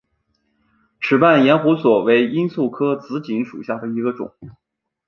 齿瓣延胡索为罂粟科紫堇属下的一个种。